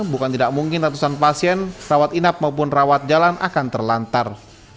bukan tidak mungkin ratusan pasien rawat inap maupun rawat jalan akan terlantar